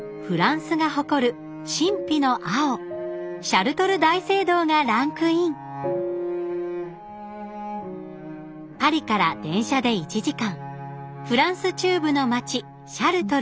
シャルトル大聖堂がランクインパリから電車で１時間フランス中部の街シャルトル